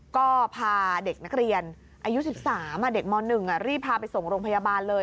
ก็พาเด็กนักเรียนอายุ๑๓เด็กม๑รีบพาไปส่งโรงพยาบาลเลย